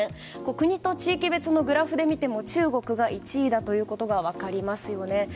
国と地域別のグラフで見ても中国が１位だということが分かりますよね。